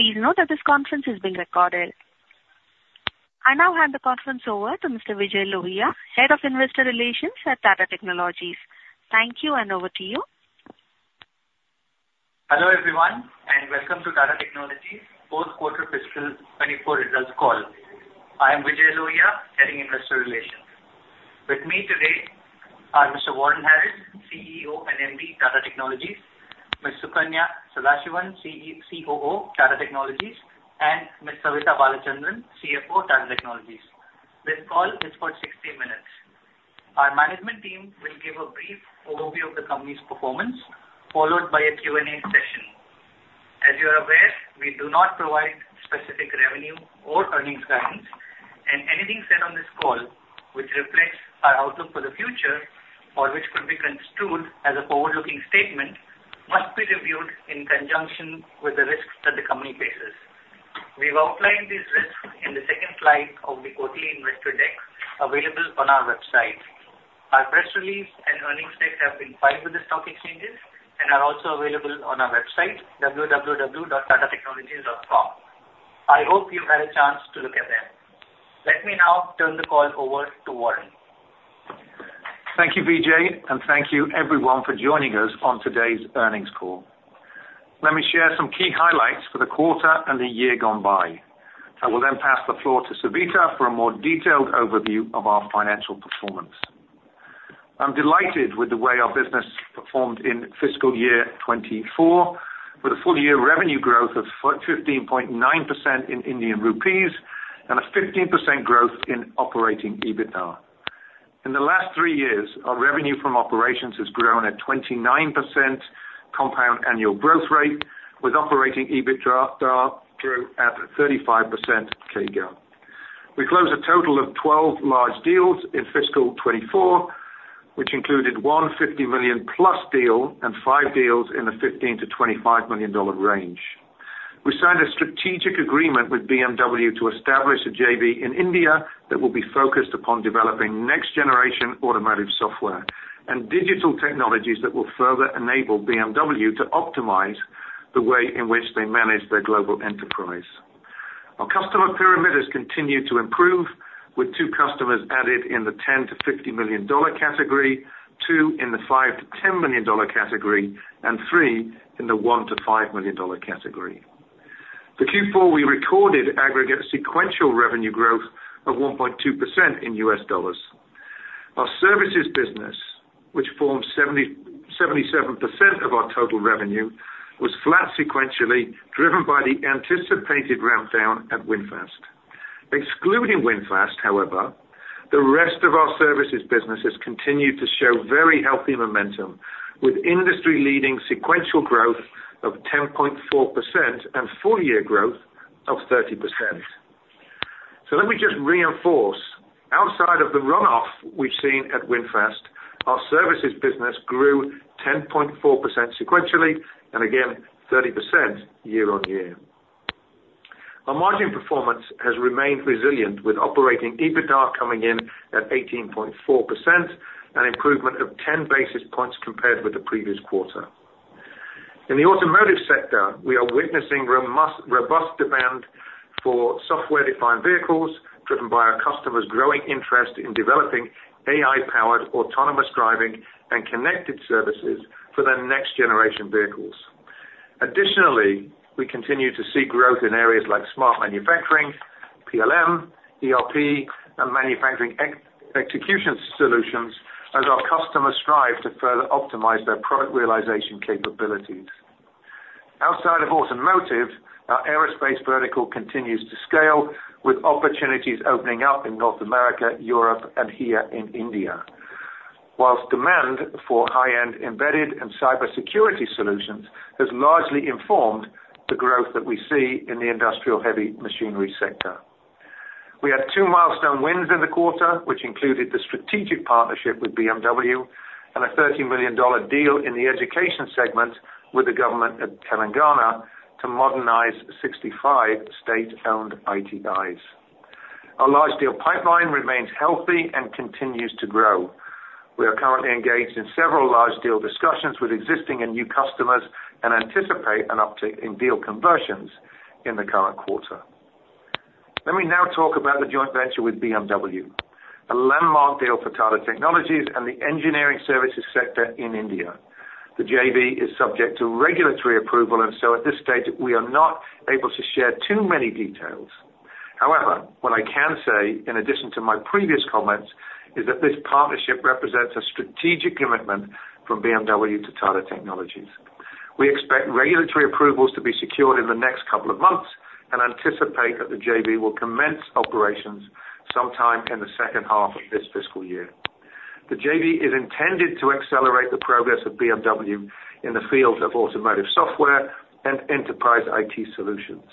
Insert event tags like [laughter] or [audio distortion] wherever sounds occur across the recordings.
Please note that this conference is being recorded. I now hand the conference over to Mr. Vijay Lohia, Head of Investor Relations at Tata Technologies. Thank you, and over to you. Hello, everyone, and welcome to Tata Technologies' fourth quarter fiscal 2024 results call. I am Vijay Lohia, Head of Investor Relations. With me today are Mr. Warren Harris, CEO and MD, Tata Technologies; Ms. Sukanya Sadasivan, COO, Tata Technologies; and Ms. Savitha Balachandran, CFO, Tata Technologies. This call is for 60 minutes. Our management team will give a brief overview of the company's performance, followed by a Q&A session. As you are aware, we do not provide specific revenue or earnings guidance, and anything said on this call which reflects our outlook for the future or which could be construed as a forward-looking statement, must be reviewed in conjunction with the risks that the company faces. We've outlined these risks in the second slide of the quarterly investor deck available on our website. Our press release and earnings deck have been filed with the stock exchanges and are also available on our website, www.tatatechnologies.com. I hope you've had a chance to look at them. Let me now turn the call over to Warren. Thank you, Vijay, and thank you everyone for joining us on today's earnings call. Let me share some key highlights for the quarter and the year gone by. I will then pass the floor to Savitha for a more detailed overview of our financial performance. I'm delighted with the way our business performed in fiscal year 2024, with a full year revenue growth of 15.9% in Indian rupees and a 15% growth in operating EBITDA. In the last three years, our revenue from operations has grown at 29% compound annual growth rate, with operating EBITDA grew at 35% CAGR. We closed a total of 12 large deals in fiscal 2024, which included one $150 million-plus deal and five deals in the $15 to $25 million range. We signed a strategic agreement with BMW to establish a JV in India that will be focused upon developing next generation automotive software and digital technologies that will further enable BMW to optimize the way in which they manage their global enterprise. Our customer pyramid has continued to improve, with two customers added in the $10 million to $50 million category, two in the $5 million to $10 million category, and three in the $1 million to $5 million category. For Q4, we recorded aggregate sequential revenue growth of 1.2% in US dollars. Our services business, which forms 77% of our total revenue, was flat sequentially, driven by the anticipated ramp down at VinFast. Excluding VinFast, however, the rest of our services businesses continued to show very healthy momentum, with industry-leading sequential growth of 10.4% and full year growth of 30%. So let me just reinforce: outside of the runoff we've seen at VinFast, our services business grew 10.4% sequentially, and again, 30% year-on-year. Our margin performance has remained resilient, with operating EBITDA coming in at 18.4%, an improvement of 10 basis points compared with the previous quarter. In the automotive sector, we are witnessing robust demand for software-defined vehicles, driven by our customers' growing interest in developing AI-powered, autonomous driving and connected services for their next generation vehicles. Additionally, we continue to see growth in areas like smart manufacturing, PLM, ERP, and manufacturing execution solutions, as our customers strive to further optimize their product realization capabilities. Outside of automotive, our aerospace vertical continues to scale, with opportunities opening up in North America, Europe, and here in India. While demand for high-end embedded and cybersecurity solutions has largely informed the growth that we see in the industrial heavy machinery sector. We had two milestone wins in the quarter, which included the strategic partnership with BMW and a $13 million deal in the education segment with the Government of Telangana to modernize 65 state-owned ITIs. Our large deal pipeline remains healthy and continues to grow. We are currently engaged in several large deal discussions with existing and new customers and anticipate an uptick in deal conversions in the current quarter. Let me now talk about the joint venture with BMW, a landmark deal for Tata Technologies and the engineering services sector in India. The JV is subject to regulatory approval, and so at this stage we are not able to share too many details. However, what I can say, in addition to my previous comments, is that this partnership represents a strategic commitment from BMW to Tata Technologies. We expect regulatory approvals to be secured in the next couple of months and anticipate that the JV will commence operations sometime in the second half of this fiscal year. The JV is intended to accelerate the progress of BMW in the field of automotive software and enterprise IT solutions.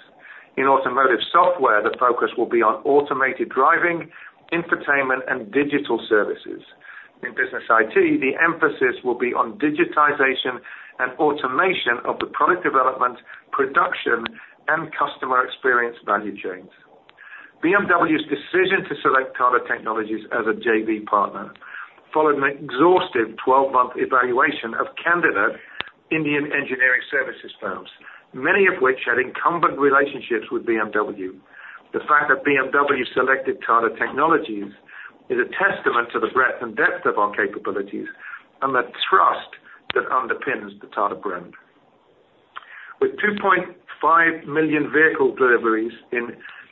In automotive software, the focus will be on automated driving, entertainment, and digital services. In business IT, the emphasis will be on digitization and automation of the product development, production, and customer experience value chains. BMW's decision to select Tata Technologies as a JV partner followed an exhaustive 12-month evaluation of candidate Indian engineering services firms, many of which had incumbent relationships with BMW. The fact that BMW selected Tata Technologies is a testament to the breadth and depth of our capabilities and the trust that underpins the Tata brand. With 2.5 million vehicle deliveries in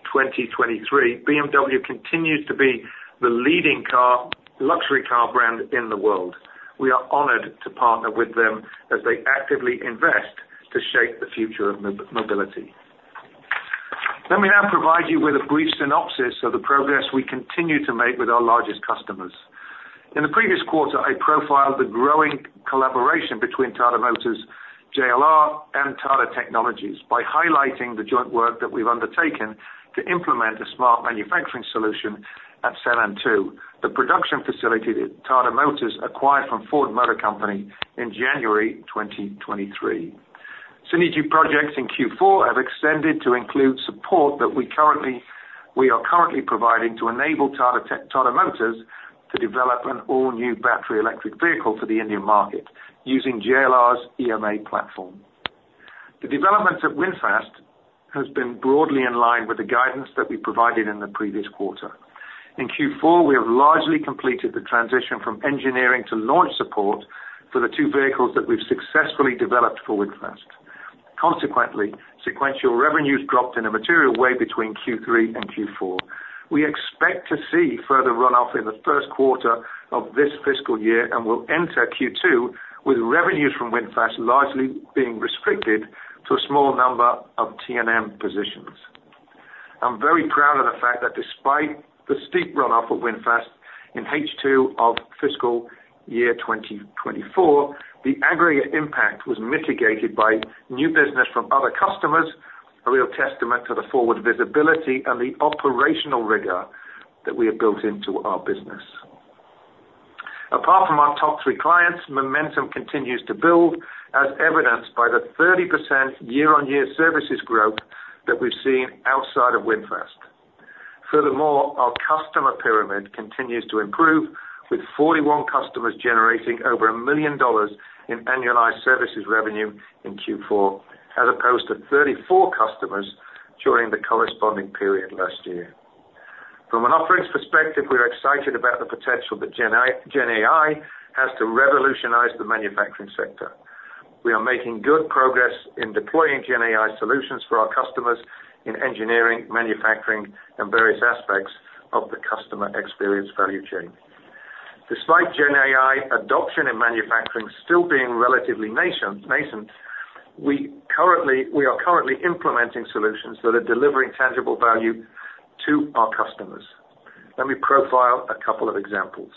2023, BMW continues to be the leading car, luxury car brand in the world. We are honored to partner with them as they actively invest to shape the future of mobility. Let me now provide you with a brief synopsis of the progress we continue to make with our largest customers. In the previous quarter, I profiled the growing collaboration between Tata Motors, JLR, and Tata Technologies by highlighting the joint work that we've undertaken to implement a smart manufacturing solution at Sanand Two, the production facility that Tata Motors acquired from Ford Motor Company in January 2023. Synergy projects in Q4 have extended to include support that we are currently providing to enable Tata Motors to develop an all-new battery electric vehicle for the Indian market using JLR's EMA platform. The developments at VinFast have been broadly in line with the guidance that we provided in the previous quarter. In Q4, we have largely completed the transition from engineering to launch support for the two vehicles that we've successfully developed for VinFast. Consequently, sequential revenues dropped in a material way between Q3 and Q4. We expect to see further runoff in the first quarter of this fiscal year, and we'll enter Q2 with revenues from VinFast largely being restricted to a small number of T&M positions. I'm very proud of the fact that despite the steep runoff of VinFast in H2 of fiscal year 2024, the aggregate impact was mitigated by new business from other customers, a real testament to the forward visibility and the operational rigor that we have built into our business. Apart from our top three clients, momentum continues to build, as evidenced by the 30% year-on-year services growth that we've seen outside of VinFast. Furthermore, our customer pyramid continues to improve, with 41 customers generating over $1 million in annualized services revenue in Q4, as opposed to 34 customers during the corresponding period last year. From an offerings perspective, we're excited about the potential that GenAI has to revolutionize the manufacturing sector. We are making good progress in deploying GenAI solutions for our customers in engineering, manufacturing, and various aspects of the customer experience value chain. Despite GenAI adoption in manufacturing still being relatively nascent, we are currently implementing solutions that are delivering tangible value to our customers. Let me profile a couple of examples.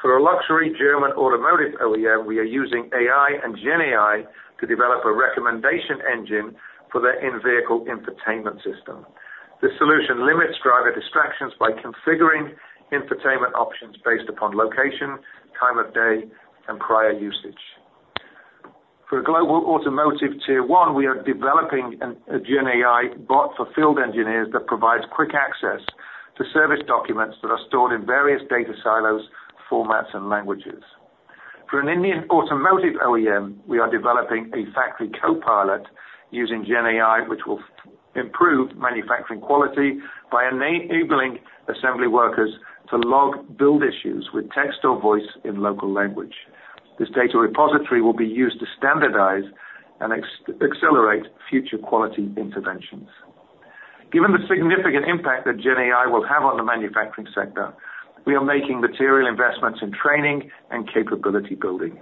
For a luxury German automotive OEM, we are using AI and GenAI to develop a recommendation engine for their in-vehicle infotainment system. This solution limits driver distractions by configuring infotainment options based upon location, time of day, and prior usage. For a global automotive Tier One, we are developing a GenAI bot for field engineers that provides quick access to service documents that are stored in various data silos, formats, and languages. For an Indian automotive OEM, we are developing a factory copilot using GenAI, which will improve manufacturing quality by enabling assembly workers to log build issues with text or voice in local language. This data repository will be used to standardize and accelerate future quality interventions. Given the significant impact that GenAI will have on the manufacturing sector, we are making material investments in training and capability building.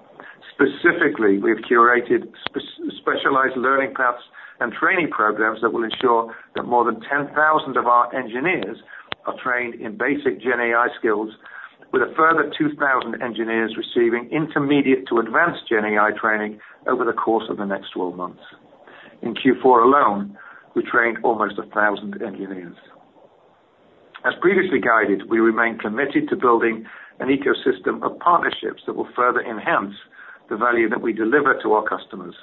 Specifically, we have curated specialized learning paths and training programs that will ensure that more than 10,000 of our engineers are trained in basic GenAI skills, with a further 2,000 engineers receiving intermediate to advanced GenAI training over the course of the next 12 months. In Q4 alone, we trained almost 1,000 engineers. As previously guided, we remain committed to building an ecosystem of partnerships that will further enhance the value that we deliver to our customers.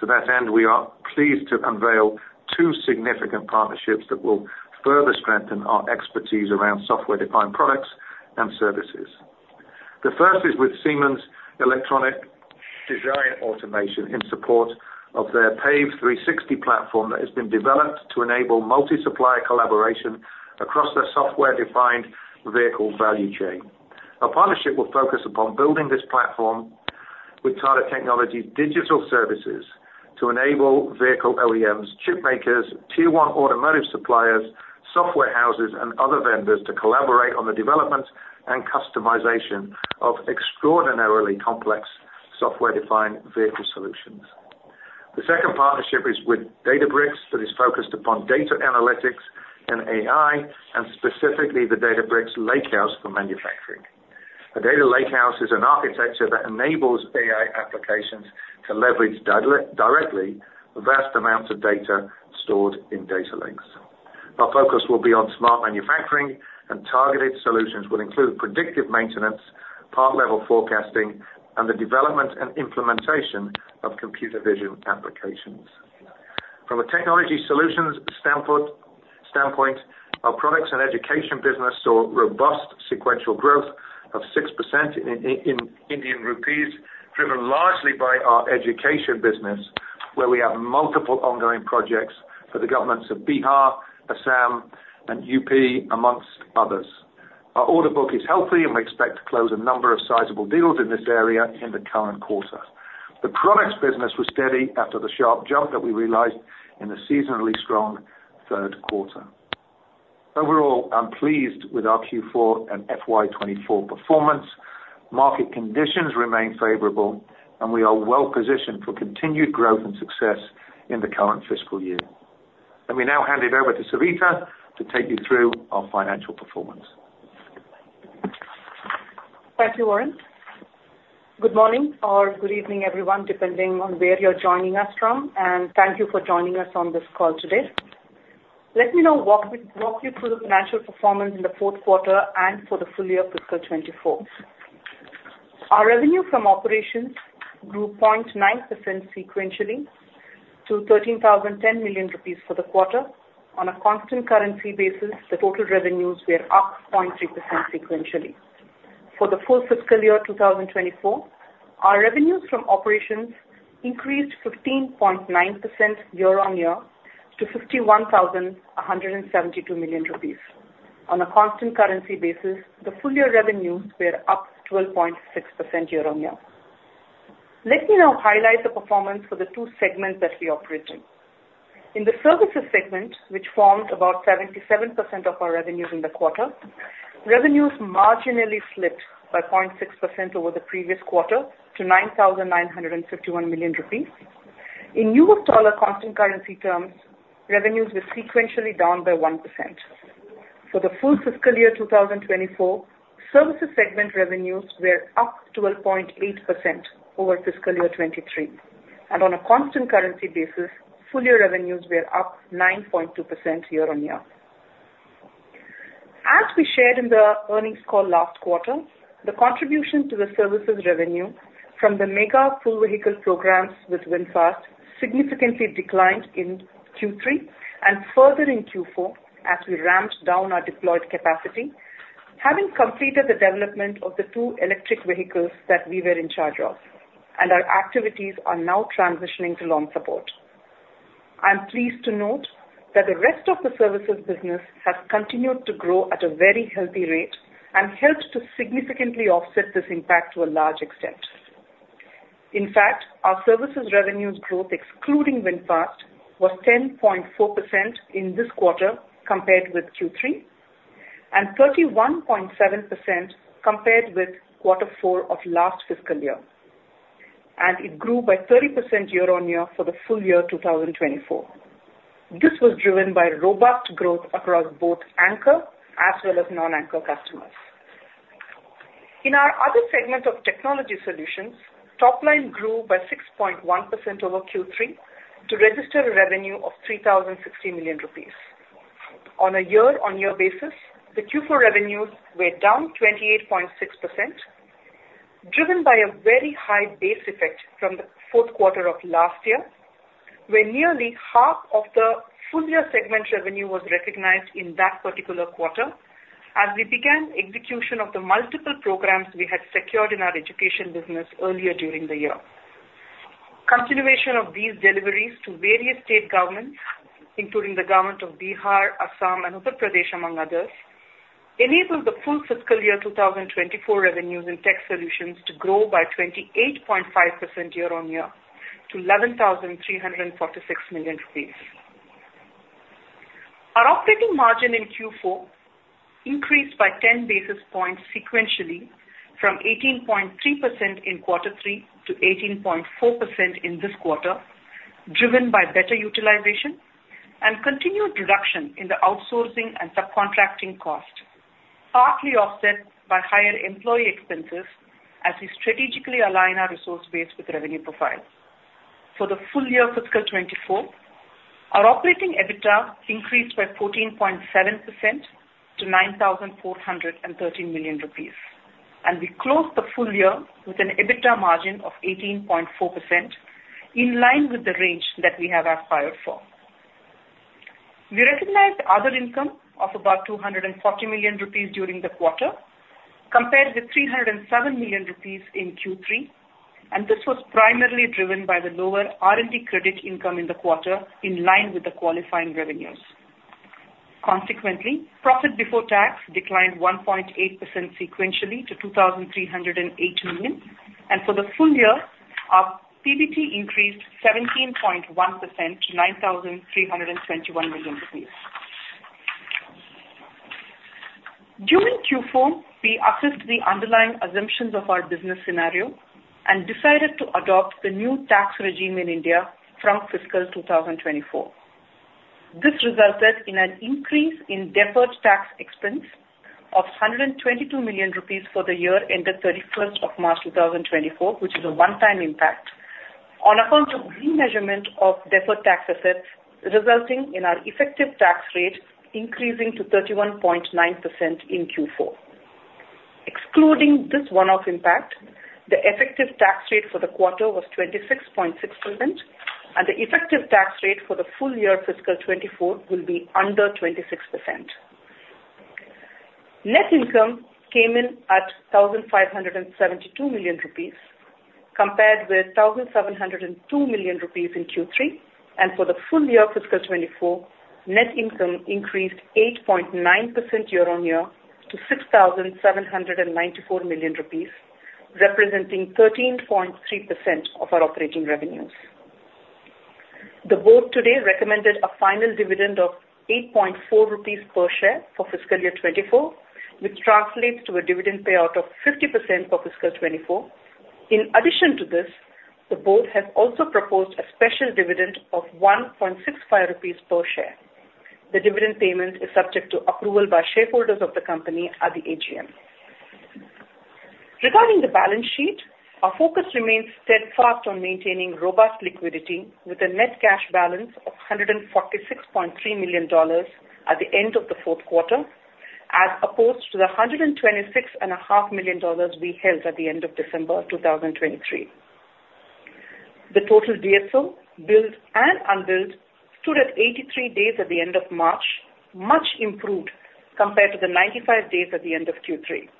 To that end, we are pleased to unveil two significant partnerships that will further strengthen our expertise around software-defined products and services. The first is with Siemens Electronic Design Automation, in support of their PAVE360 platform that has been developed to enable multi-supplier collaboration across their software-defined vehicle value chain. Our partnership will focus upon building this platform with Tata Technologies' digital services to enable vehicle OEMs, chip makers, Tier One automotive suppliers, software houses, and other vendors to collaborate on the development and customization of extraordinarily complex software-defined vehicle solutions. The second partnership is with Databricks, that is focused upon data analytics and AI, and specifically the Databricks Lakehouse for manufacturing. A data lakehouse is an architecture that enables AI applications to leverage directly vast amounts of data stored in data lakes. Our focus will be on smart manufacturing, and targeted solutions will include predictive maintenance, part level forecasting and the development and implementation of computer vision applications. From a technology solutions standpoint, our products and education business saw robust sequential growth of 6% in Indian rupees, driven largely by our education business, where we have multiple ongoing projects for the governments of Bihar, Assam, and UP, amongst others. Our order book is healthy, and we expect to close a number of sizable deals in this area in the current quarter. The products business was steady after the sharp jump that we realized in the seasonally strong third quarter. Overall, I'm pleased with our Q4 and FY 2024 performance. Market conditions remain favorable, and we are well positioned for continued growth and success in the current fiscal year. Let me now hand it over to Savitha to take you through our financial performance. Thank you, Warren. Good morning or good evening, everyone, depending on where you're joining us from, and thank you for joining us on this call today. Let me now walk you through the financial performance in the fourth quarter and for the full year, fiscal 2024. Our revenue from operations grew 0.9% sequentially to 13,010 million rupees for the quarter. On a constant currency basis, the total revenues were up 0.3% sequentially. For the full fiscal year 2024, our revenues from operations increased 15.9% year-on-year to 51,172 million rupees. On a constant currency basis, the full year revenues were up 12.6% year-on-year. Let me now highlight the performance for the two segments that we operate in. In the services segment, which formed about 77% of our revenues in the quarter, revenues marginally slipped by 0.6% over the previous quarter to 9,951 million rupees. In US dollar constant currency terms, revenues were sequentially down by 1%. For the full fiscal year 2024, services segment revenues were up 12.8% over fiscal year 2023, and on a constant currency basis, full year revenues were up 9.2% year-on-year. As we shared in the earnings call last quarter, the contribution to the services revenue from the mega full vehicle programs with VinFast significantly declined in Q3 and further in Q4 as we ramped down our deployed capacity. Having completed the development of the two electric vehicles that we were in charge of, and our activities are now transitioning to long support. I'm pleased to note that the rest of the services business has continued to grow at a very healthy rate and helped to significantly offset this impact to a large extent. In fact, our services revenues growth, excluding VinFast, was 10.4% in this quarter compared with Q3, and 31.7% compared with quarter four of last fiscal year. And it grew by 30% year-on-year for the full year 2024. This was driven by robust growth across both anchor as well as non-anchor customers. In our other segment of technology solutions, top line grew by 6.1% over Q3 to register a revenue of 3,060 million rupees. On a year-on-year basis, the Q4 revenues were down 28.6%, driven by a very high base effect from the fourth quarter of last year, where nearly half of the full year segment revenue was recognized in that particular quarter, as we began execution of the multiple programs we had secured in our education business earlier during the year. Continuation of these deliveries to various state governments, including the government of Bihar, Assam, and Uttar Pradesh, among others, enabled the full fiscal year 2024 revenues in tech solutions to grow by 28.5% year-on-year to INR 11,346 million. Our operating margin in Q4 increased by 10 basis points sequentially from 18.3% in quarter three to 18.4% in this quarter, driven by better utilization and continued reduction in the outsourcing and subcontracting cost, partly offset by higher employee expenses as we strategically align our resource base with revenue profile. For the full year, fiscal 2024, our operating EBITDA increased by 14.7% to 9,413 million rupees, and we closed the full year with an EBITDA margin of 18.4%, in line with the range that we had aspired for. We recognized other income of about 240 million rupees during the quarter, compared with 307 million rupees in Q3, and this was primarily driven by the lower R&D credit income in the quarter, in line with the qualifying revenues. Consequently, profit before tax declined 1.8% sequentially to 2,308 million, and for the full year, our PBT increased 17.1% to 9,321 million rupees. During Q4, we assessed the underlying assumptions of our business scenario and decided to adopt the new tax regime in India from fiscal 2024. This resulted in an increase in deferred tax expense of 122 million rupees for the year ended 31st of March 2024, which is a one-time impact, on account of remeasurement of deferred tax assets, resulting in our effective tax rate increasing to 31.9% in Q4. Excluding this one-off impact, the effective tax rate for the quarter was 26.6%, and the effective tax rate for the full year fiscal 2024 will be under 26%. Net income came in at 1,572 million rupees, compared with 1,702 million rupees in Q3. For the full year fiscal 2024, net income increased 8.9% year-on-year to INR 6,794 million, representing 13.3% of our operating revenues. The board today recommended a final dividend of 8.4 rupees per share for fiscal year 2024, which translates to a dividend payout of 50% for fiscal 2024. In addition to this, the board has also proposed a special dividend of 1.65 rupees per share. The dividend payment is subject to approval by shareholders of the company at the AGM. Regarding the balance sheet, our focus remains steadfast on maintaining robust liquidity, with a net cash balance of $146.3 million at the end of the fourth quarter, as opposed to the $126.5 million we held at the end of December 2023. The total DSO, billed and unbilled, stood at 83 days at the end of March, much improved compared to the 95 days at the end of Q3.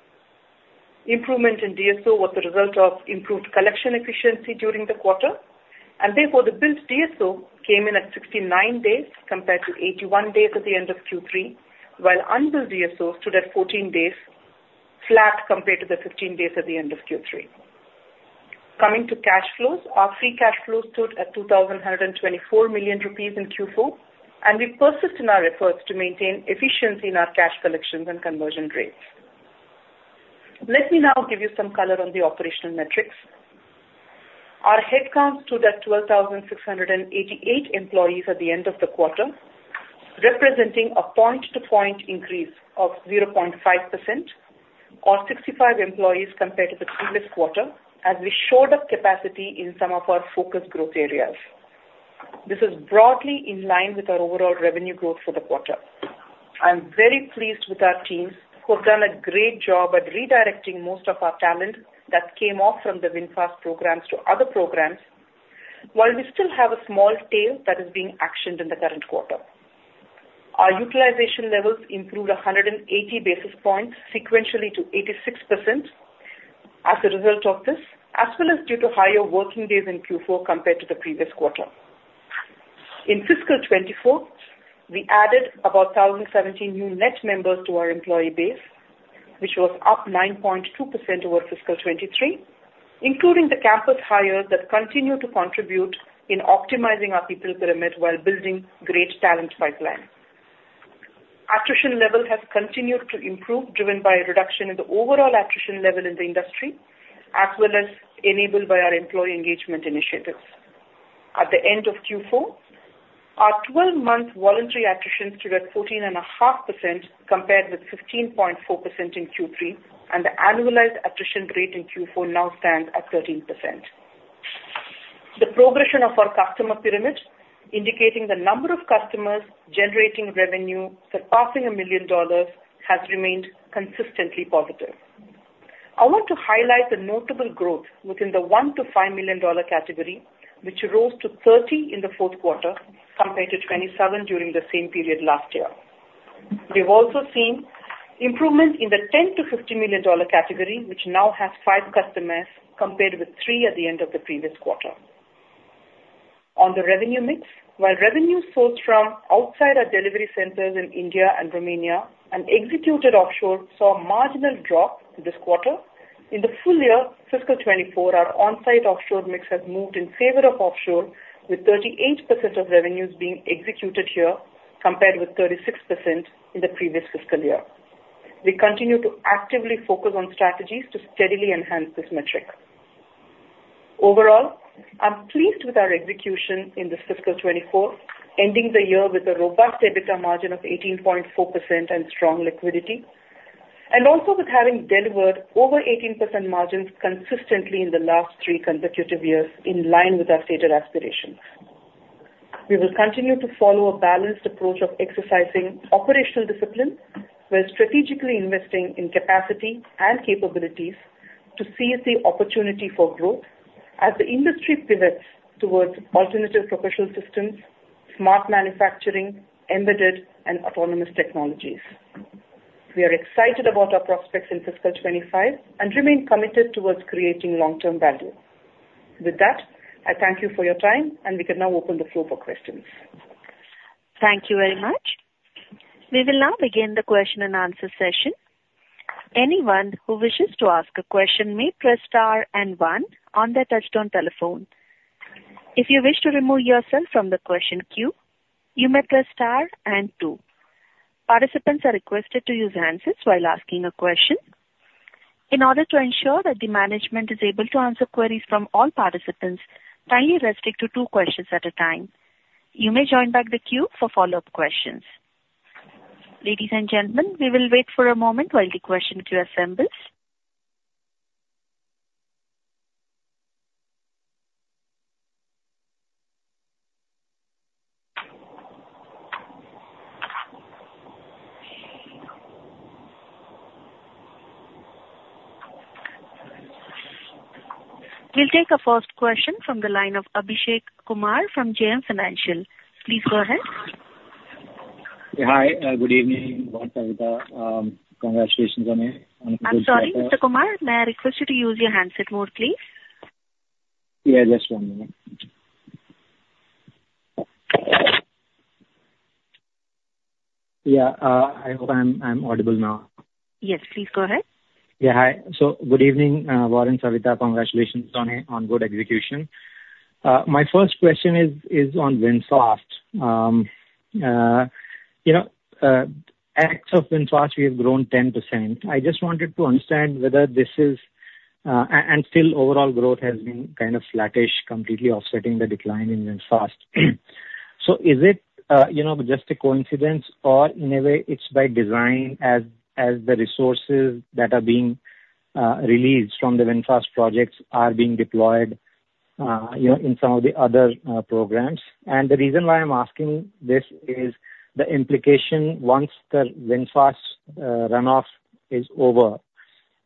Improvement in DSO was the result of improved collection efficiency during the quarter, and therefore the billed DSO came in at 69 days compared to 81 days at the end of Q3, while unbilled DSO stood at 14 days, flat compared to the 15 days at the end of Q3. Coming to cash flows, our free cash flow stood at 224 million rupees in Q4, and we persist in our efforts to maintain efficiency in our cash collections and conversion rates. Let me now give you some color on the operational metrics. Our headcount stood at 12,688 employees at the end of the quarter, representing a point-to-point increase of 0.5% or 65 employees compared to the previous quarter, as we shored up capacity in some of our focus growth areas. This is broadly in line with our overall revenue growth for the quarter. I'm very pleased with our teams, who have done a great job at redirecting most of our talent that came off from the VinFast programs to other programs, while we still have a small tail that is being actioned in the current quarter. Our utilization levels improved 100 basis points sequentially to 86% as a result of this, as well as due to higher working days in Q4 compared to the previous quarter. In fiscal 2024, we added about 1,017 new net members to our employee base, which was up 9.2% over fiscal 2023, including the campus hires that continue to contribute in optimizing our people pyramid while building great talent pipeline. Attrition level has continued to improve, driven by a reduction in the overall attrition level in the industry, as well as enabled by our employee engagement initiatives. At the end of Q4, our twelve-month voluntary attrition stood at 14.5%, compared with 15.4% in Q3, and the annualized attrition rate in Q4 now stands at 13%. The progression of our customer pyramid, indicating the number of customers generating revenue surpassing $1 million, has remained consistently positive. I want to highlight the notable growth within the $1 to 5 million category, which rose to 30 in the fourth quarter, compared to 27 during the same period last year. We've also seen improvement in the $10 to 15 million category, which now has five customers, compared with three at the end of the previous quarter. On the revenue mix, while revenue sourced from outside our delivery centers in India and Romania and executed offshore saw a marginal drop this quarter, in the full year fiscal 2024, our on-site offshore mix has moved in favor of offshore, with 38% of revenues being executed here, compared with 36% in the previous fiscal year. We continue to actively focus on strategies to steadily enhance this metric. Overall, I'm pleased with our execution in this fiscal 2024, ending the year with a robust EBITDA margin of 18.4% and strong liquidity, and also with having delivered over 18% margins consistently in the last three consecutive years, in line with our stated aspirations. We will continue to follow a balanced approach of exercising operational discipline, while strategically investing in capacity and capabilities to seize the opportunity for growth as the industry pivots towards alternative propulsion systems, smart manufacturing, embedded, and autonomous technologies. We are excited about our prospects in fiscal 2025 and remain committed towards creating long-term value. With that, I thank you for your time, and we can now open the floor for questions. Thank you very much. We will now begin the question-and-answer session. Anyone who wishes to ask a question may press star and one on their touchtone telephone. If you wish to remove yourself from the question queue, you may press star and two. Participants are requested to use answers while asking a question. In order to ensure that the management is able to answer queries from all participants, kindly restrict to two questions at a time. You may join back the queue for follow-up questions. Ladies and gentlemen, we will wait for a moment while the question queue assembles. We'll take our first question from the line of Abhishek Kumar from JM Financial. Please go ahead. Hi, good evening, Warren, Savitha. Congratulations [audio distortion] I'm sorry, Mr. Kumar, may I request you to use your handset mode, please? Yeah, just one minute. Yeah, I hope I'm, I'm audible now. Yes, please go ahead. Yeah, hi. So good evening, Warren, Savita. Congratulations on a, on good execution. My first question is on VinFast. You know, actually VinFast, we have grown 10%. I just wanted to understand whether this is, and still overall growth has been kind of flattish, completely offsetting the decline in VinFast. So is it, you know, just a coincidence, or in a way, it's by design as the resources that are being released from the VinFast projects are being deployed, you know, in some of the other programs? And the reason why I'm asking this is the implication, once the VinFast runoff is over,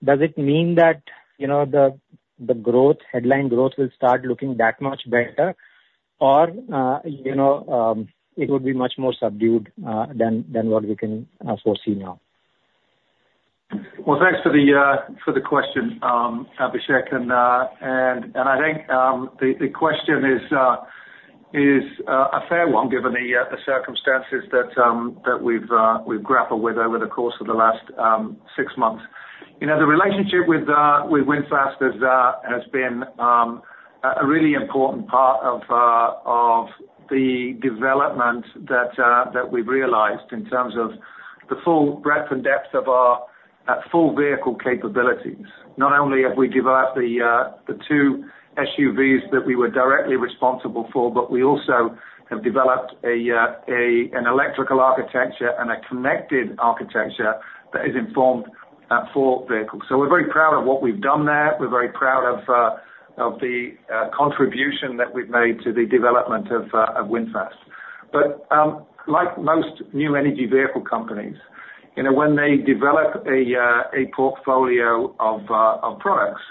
does it mean that, you know, the growth, headline growth will start looking that much better? Or, you know, it would be much more subdued than what we can foresee now. Well, thanks for the question, Abhishek, and I think the question is a fair one, given the circumstances that we've grappled with over the course of the last six months. You know, the relationship with VinFast has been a really important part of the development that we've realized in terms of the full breadth and depth of our full vehicle capabilities. Not only have we developed the two SUVs that we were directly responsible for, but we also have developed an electrical architecture and a connected architecture that informs four vehicles. So we're very proud of what we've done there. We're very proud of the contribution that we've made to the development of VinFast. But, like most new energy vehicle companies, you know, when they develop a portfolio of products,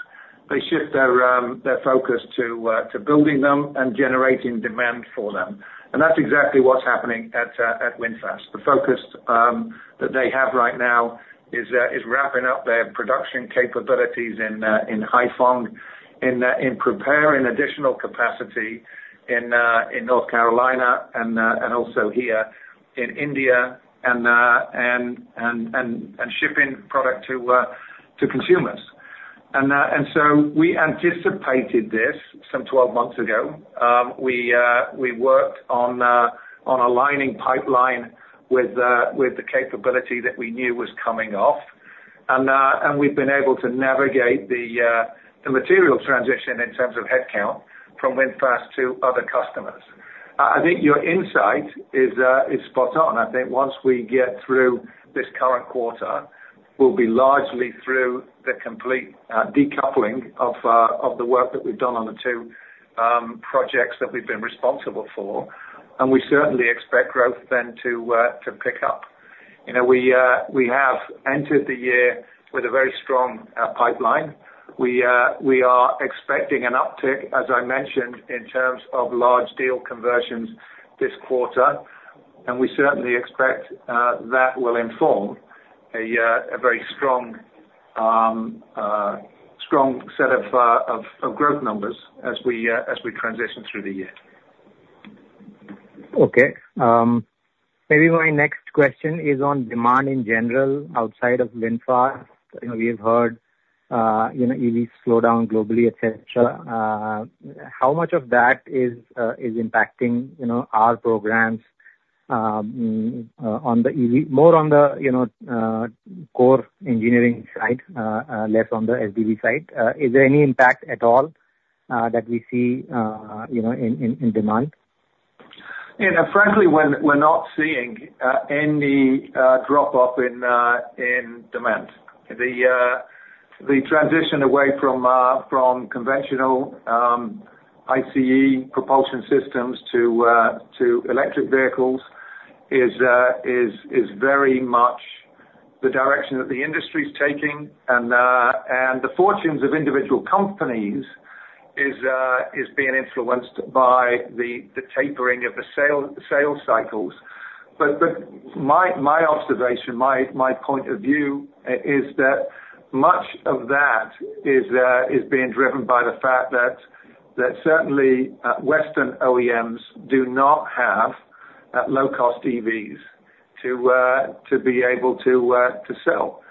they shift their focus to building them and generating demand for them. And that's exactly what's happening at VinFast. The focus that they have right now is wrapping up their production capabilities in Haiphong, in preparing additional capacity in North Carolina, and also here in India, and shipping product to consumers. And so we anticipated this some 12 months ago. We worked on aligning pipeline with the capability that we knew was coming off. We've been able to navigate the material transition in terms of headcount from VinFast to other customers. I think your insight is spot on. I think once we get through this current quarter, we'll be largely through the complete decoupling of the work that we've done on the two projects that we've been responsible for, and we certainly expect growth then to pick up. You know, we have entered the year with a very strong pipeline. We are expecting an uptick, as I mentioned, in terms of large deal conversions this quarter, and we certainly expect that will inform a very strong set of growth numbers as we transition through the year. Okay. Maybe my next question is on demand in general, outside of VinFast. You know, we have heard, you know, EV slow down globally, et cetera. How much of that is impacting, you know, our programs on the EV—more on the, you know, core engineering side, less on the SDV side? Is there any impact at all that we see, you know, in demand? You know, frankly, we're not seeing any drop-off in demand. The transition away from conventional ICE propulsion systems to electric vehicles is very much the direction that the industry's taking, and the fortunes of individual companies is being influenced by the tapering of the sales cycles. But my observation, my point of view is that much of that is being driven by the fact that certainly Western OEMs do not have low-cost EVs to be able to sell.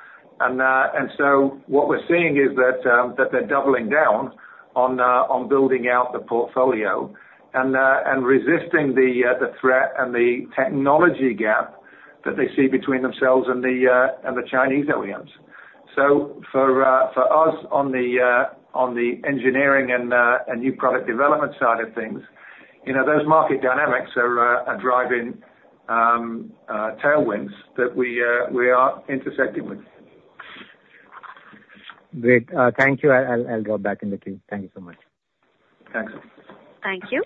So what we're seeing is that they're doubling down on building out the portfolio, and resisting the threat and the technology gap that they see between themselves and the Chinese OEMs. So for us on the engineering and new product development side of things, you know, those market dynamics are driving tailwinds that we are intersecting with. Great. Thank you. I'll drop back in the queue. Thank you so much. Thanks. Thank you.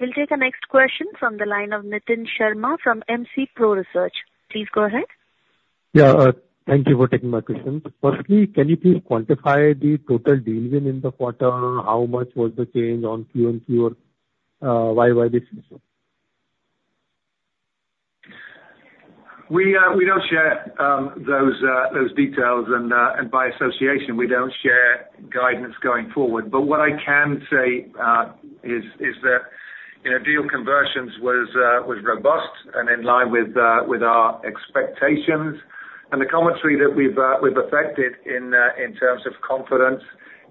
We'll take the next question from the line of Nitin Sharma from MC Pro Research. Please go ahead. Yeah, thank you for taking my question. Firstly, can you please quantify the total deal win in the quarter? How much was the change on Q over Q, why, why this is [audio distortion] We, we don't share those details, and by association, we don't share guidance going forward. But what I can say is that you know, deal conversions was robust and in line with our expectations. And the commentary that we've affected in terms of confidence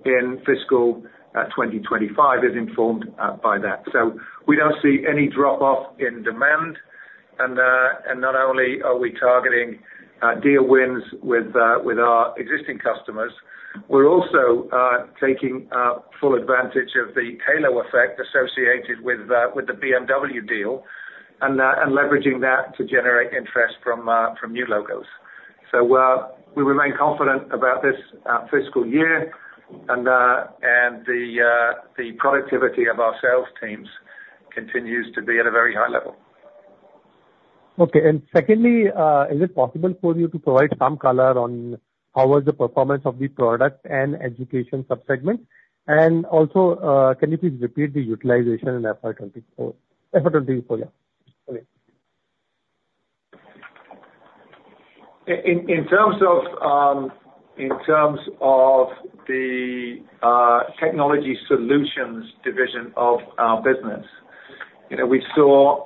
in fiscal 2025 is informed by that. So we don't see any drop-off in demand, and not only are we targeting deal wins with our existing customers, we're also taking full advantage of the halo effect associated with the BMW deal and leveraging that to generate interest from new logos. We remain confident about this fiscal year, and the productivity of our sales teams continues to be at a very high level. Okay. And secondly, is it possible for you to provide some color on how was the performance of the product and education sub-segment? And also, can you please repeat the utilization in FY 2024, yeah. In terms of the technology solutions division of our business, you know, we saw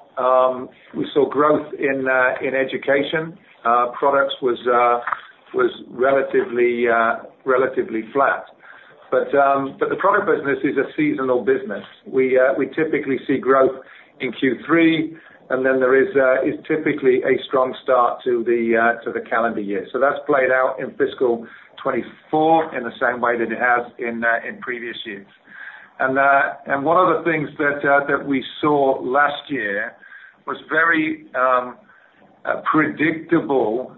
growth in education. Products was relatively flat. But the product business is a seasonal business. We typically see growth in Q3, and then there is typically a strong start to the calendar year. So that's played out in fiscal 2024 in the same way that it has in previous years. And one of the things that we saw last year was very predictable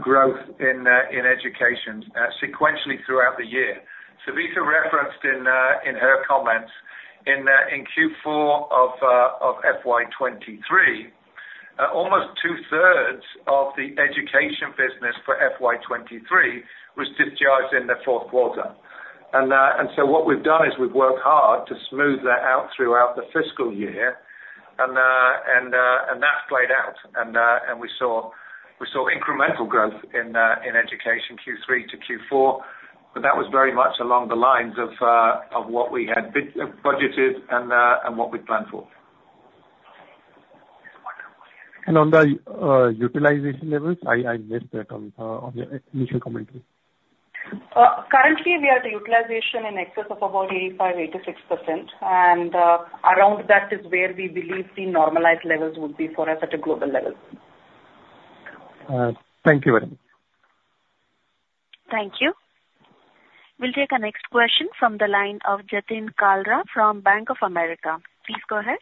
growth in education sequentially throughout the year. Savita referenced in her comments in Q4 of FY 2023, almost two-thirds of the education business for FY 2023 was discharged in the fourth quarter. And so what we've done is we've worked hard to smooth that out throughout the fiscal year, and that's played out. And we saw incremental growth in education Q3 to Q4, but that was very much along the lines of what we had budgeted and what we'd planned for. On the utilization levels, I missed that on your initial commentary. Currently, we are at a utilization in excess of about 85% to 86%, and around that is where we believe the normalized levels would be for us at a global level. Thank you very much. Thank you. We'll take our next question from the line of Jatin Kalra from Bank of America. Please go ahead.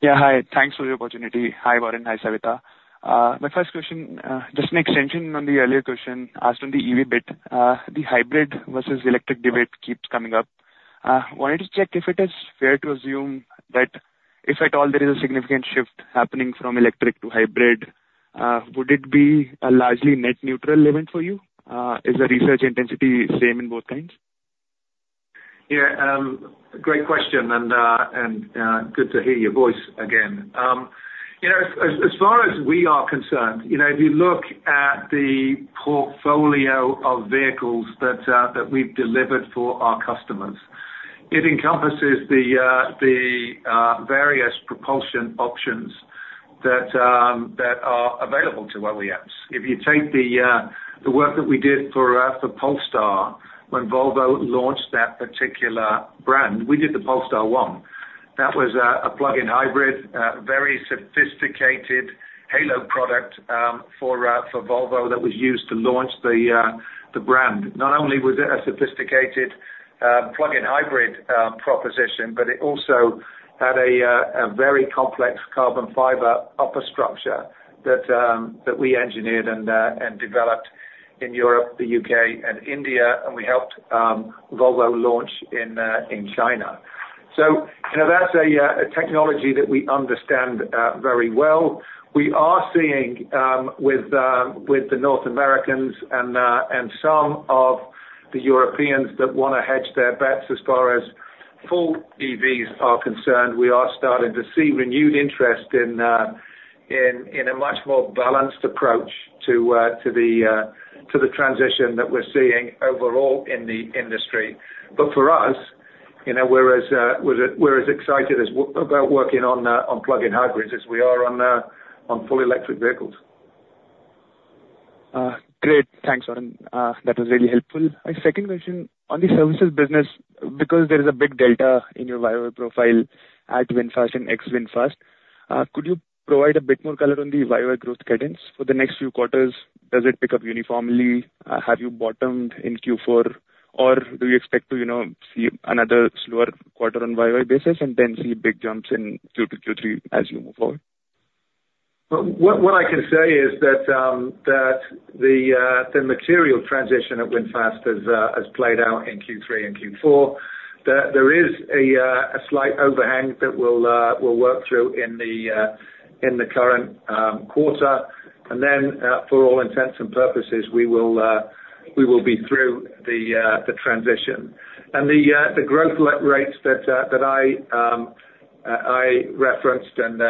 Yeah, hi. Thanks for the opportunity. Hi, Warren. Hi, Savitha. My first question, just an extension on the earlier question asked on the EV bit. The hybrid versus electric debate keeps coming up. Wanted to check if it is fair to assume that if at all there is a significant shift happening from electric to hybrid, would it be a largely net neutral event for you? Is the research intensity same in both kinds? Yeah, great question, and good to hear your voice again. You know, as far as we are concerned, you know, if you look at the portfolio of vehicles that we've delivered for our customers, it encompasses the various propulsion options that are available to OEMs. If you take the work that we did for Polestar, when Volvo launched that particular brand, we did the Polestar 1. That was a plug-in hybrid, very sophisticated halo product, for Volvo that was used to launch the brand. Not only was it a sophisticated plug-in hybrid proposition, but it also had a very complex carbon fiber upper structure that we engineered and developed in Europe, the UK, and India, and we helped Volvo launch in China. So, you know, that's a technology that we understand very well. We are seeing with the North Americans and some of the Europeans that want to hedge their bets as far as full EVs are concerned, we are starting to see renewed interest in a much more balanced approach to the transition that we're seeing overall in the industry. But for us, you know, we're as excited as we are about working on plug-in hybrids as we are on full electric vehicles. Great. Thanks, Warren. That was really helpful. My second question, on the services business, because there is a big delta in your Y-O-Y profile at VinFast and ex-VinFast, could you provide a bit more color on the Y-O-Y growth cadence for the next few quarters? Does it pick up uniformly? Have you bottomed in Q4, or do you expect to, you know, see another slower quarter on Y-O-Y basis and then see big jumps in Q2, Q3 as you move forward? Well, what I can say is that the material transition at VinFast has played out in Q3 and Q4. There is a slight overhang that we'll work through in the current quarter. And then, for all intents and purposes, we will be through the transition. And the growth rates that I referenced and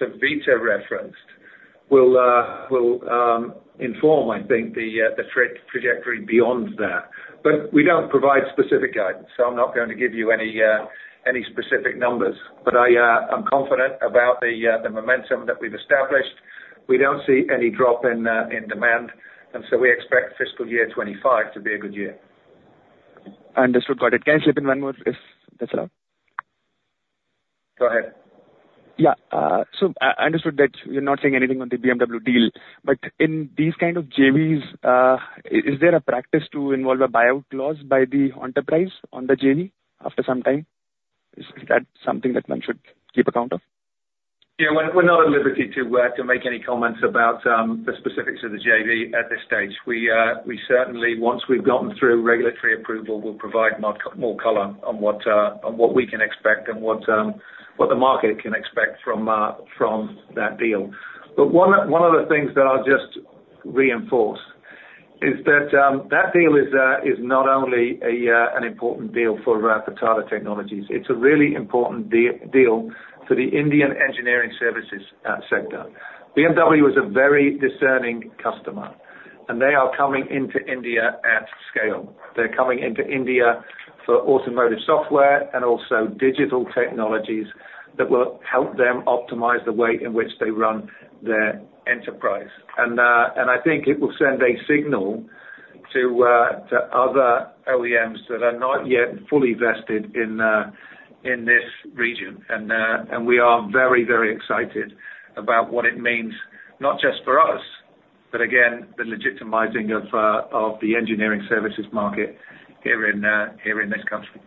Savita referenced will inform, I think, the trajectory beyond that. But we don't provide specific guidance, so I'm not going to give you any specific numbers. But I'm confident about the momentum that we've established. We don't see any drop in demand, and so we expect fiscal year 25 to be a good year. Understood. Got it. Can I slip in one more, if that's allowed? Go ahead. Yeah, so I understood that you're not saying anything on the BMW deal, but in these kind of JVs, is there a practice to involve a buyout clause by the enterprise on the JV after some time? Is that something that one should keep account of? Yeah, we're not at liberty to make any comments about the specifics of the JV at this stage. We certainly, once we've gotten through regulatory approval, will provide more color on what we can expect and what the market can expect from that deal. But one of the things that I'll just reinforce is that that deal is not only an important deal for Tata Technologies, it's a really important deal for the Indian engineering services sector. BMW is a very discerning customer, and they are coming into India at scale. They're coming into India for automotive software and also digital technologies that will help them optimize the way in which they run their enterprise. And I think it will send a signal to other OEMs that are not yet fully vested in this region. And we are very, very excited about what it means, not just for us, but again, the legitimizing of the engineering services market here in this country.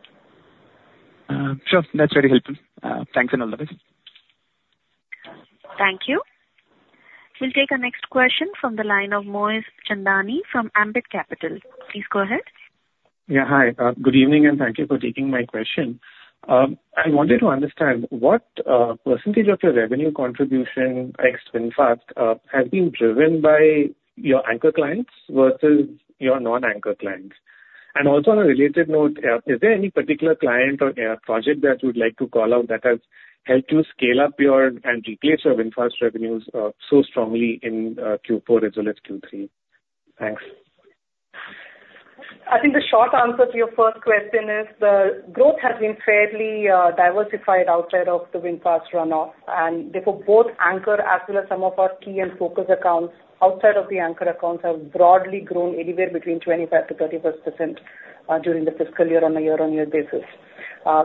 Sure. That's very helpful. Thanks and all the best. Thank you. We'll take our next question from the line of Moiz Chandani from Ambit Capital. Please go ahead. Yeah, hi, good evening, and thank you for taking my question. I wanted to understand, what percentage of your revenue contribution ex VinFast has been driven by your anchor clients versus your non-anchor clients? And also, on a related note, is there any particular client or project that you'd like to call out that has helped you scale up your and replace your VinFast revenues so strongly in Q4 as well as Q3? Thanks. I think the short answer to your first question is, the growth has been fairly, diversified outside of the VinFast runoff, and therefore, both anchor as well as some of our key and focus accounts outside of the anchor accounts, have broadly grown anywhere between 25% to 35%, during the fiscal year on a year-on-year basis.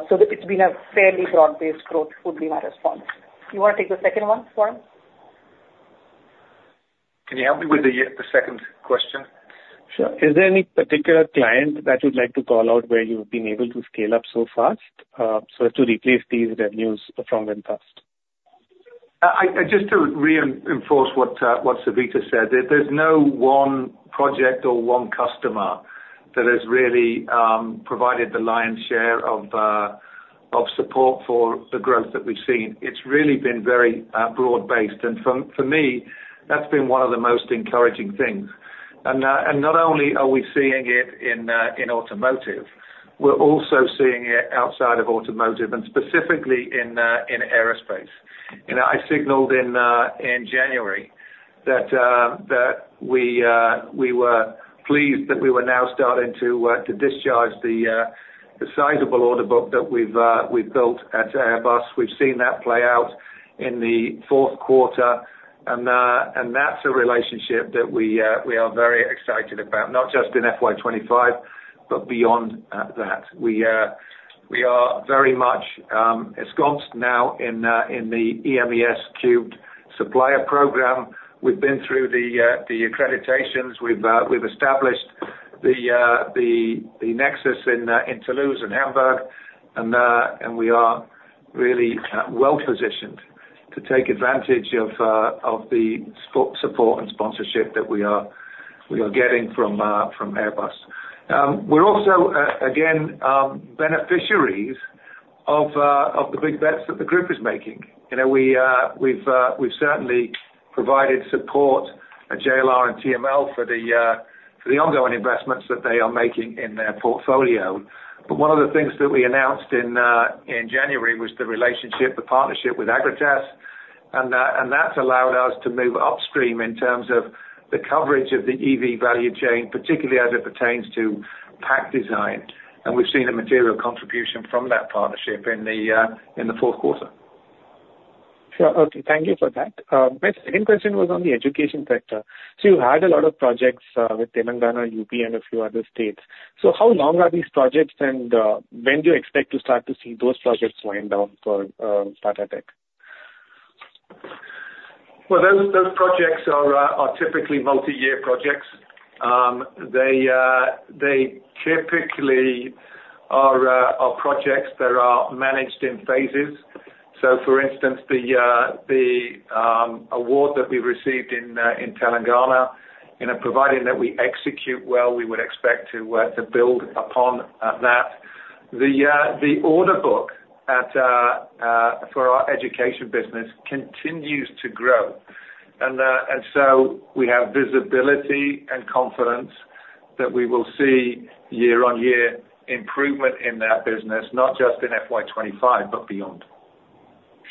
So that it's been a fairly broad-based growth, would be my response. You want to take the second one, Warren? Can you help me with the, the second question? Sure. Is there any particular client that you'd like to call out where you've been able to scale up so fast, so as to replace these revenues from VinFast? I just to reinforce what Savita said, there, there's no one project or one customer that has really provided the lion's share of support for the growth that we've seen. It's really been very broad-based, and for me, that's been one of the most encouraging things. And not only are we seeing it in automotive, we're also seeing it outside of automotive and specifically in aerospace. You know, I signaled in January that we were pleased that we were now starting to discharge the sizable order book that we've built at Airbus. We've seen that play out in the fourth quarter, and that's a relationship that we are very excited about, not just in FY 25, but beyond that. We are very much ensconced now in the EMES3 supplier program. We've been through the accreditations. We've established the nexus in Toulouse and Hamburg, and we are really well positioned to take advantage of the support and sponsorship that we are getting from Airbus. We're also again beneficiaries of the big bets that the group is making. You know, we've certainly provided support at JLR and TML for the ongoing investments that they are making in their portfolio. But one of the things that we announced in January was the relationship, the partnership with Agratas, and that's allowed us to move upstream in terms of the coverage of the EV value chain, particularly as it pertains to pack design, and we've seen a material contribution from that partnership in the fourth quarter. Sure. Okay, thank you for that. My second question was on the education sector. So you had a lot of projects with Telangana, UP, and a few other states. So how long are these projects, and when do you expect to start to see those projects wind down for Tata Tech? Well, those projects are typically multi-year projects. They typically are projects that are managed in phases. So for instance, the award that we received in Telangana, you know, providing that we execute well, we would expect to build upon that. The order book for our education business continues to grow. And so we have visibility and confidence that we will see year-on-year improvement in that business, not just in FY 2025, but beyond.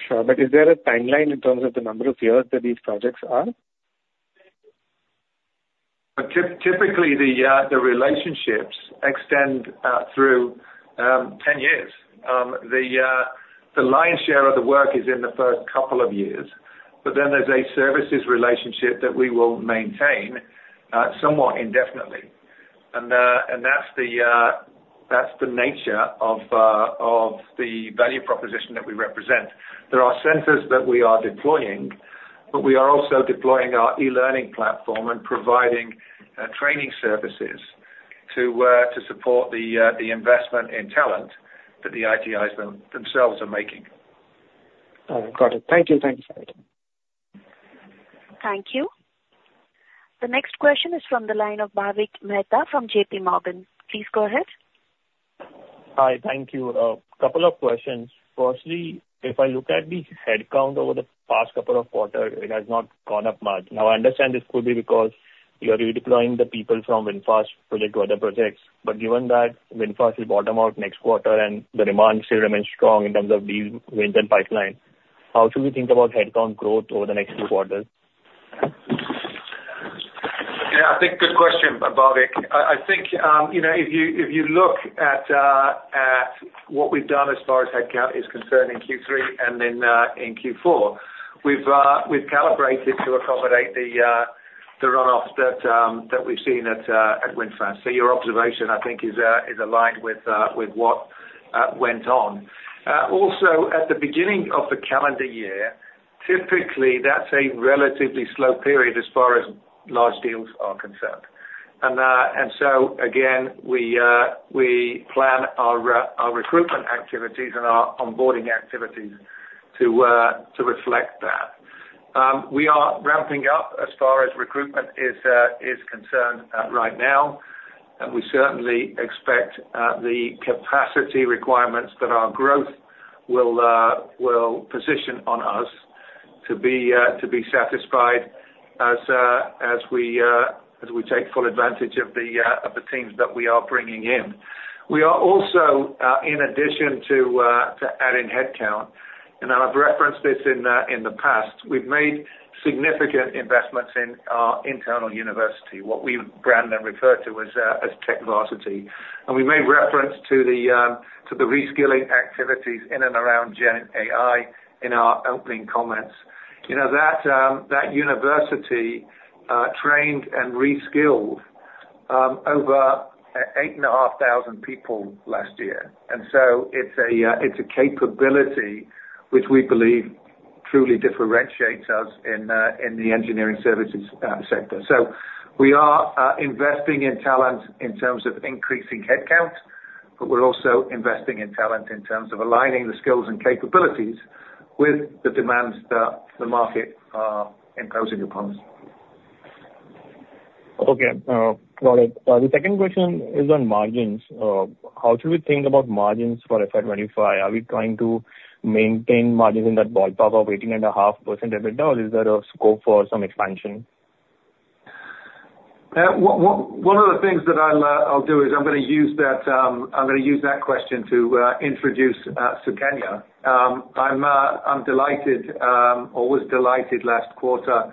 Sure. But is there a timeline in terms of the number of years that these projects are? Typically, the relationships extend through 10 years. The lion's share of the work is in the first couple of years, but then there's a services relationship that we will maintain somewhat indefinitely. That's the nature of the value proposition that we represent. There are centers that we are deploying, but we are also deploying our e-learning platform and providing training services to support the investment in talent that the ITIs themselves are making. Got it. Thank you. Thanks for that. Thank you. The next question is from the line of Bhavik Mehta from JPMorgan. Please go ahead. Hi, thank you. A couple of questions. Firstly, if I look at the headcount over the past couple of quarters, it has not gone up much. Now, I understand this could be because you are redeploying the people from VinFast project to other projects, but given that VinFast will bottom out next quarter and the demand still remains strong in terms of deal wins and pipeline, how should we think about headcount growth over the next few quarters? Yeah, I think good question, Bhavik. I think, you know, if you, if you look at what we've done as far as headcount is concerned in Q3 and then in Q4, we've calibrated to accommodate the runoffs that we've seen at VinFast. So your observation, I think, is aligned with what went on. Also, at the beginning of the calendar year, typically, that's a relatively slow period as far as large deals are concerned. And so again, we plan our recruitment activities and our onboarding activities to reflect that. We are ramping up as far as recruitment is concerned, right now, and we certainly expect the capacity requirements that our growth will position on us to be satisfied as we take full advantage of the teams that we are bringing in. We are also, in addition to adding headcount, and I've referenced this in the past, we've made significant investments in our internal university, what we brand and refer to as TechVarsity. We made reference to the reskilling activities in and around GenAI in our opening comments. You know, that university trained and reskilled over 8,500 people last year. It's a capability which we believe truly differentiates us in the engineering services sector. So we are investing in talent in terms of increasing headcount, but we're also investing in talent in terms of aligning the skills and capabilities with the demands that the market are imposing upon us. Okay, got it. The second question is on margins. How should we think about margins for FY 2025? Are we trying to maintain margins in that ballpark of 18.5% EBITDA, or is there a scope for some expansion? One of the things that I'll do is I'm gonna use that question to introduce Sukanya. I'm delighted, always delighted last quarter